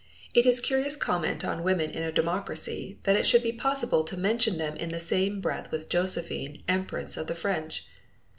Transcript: It is curious comment on women in a democracy that it should be possible to mention them in the same breath with Josephine, Empress of the French.